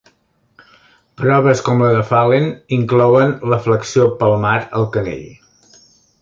Proves com la de Phalen inclouen la flexió palmar al canell.